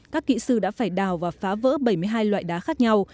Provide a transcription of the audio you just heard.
các kỹ sư đã phải đào và phá vỡ bảy mươi hai loại đá khác nhau